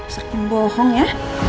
serpeng bohong ya